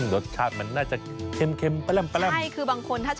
รสชาติน่าจะเเค็มไฟล่มนะ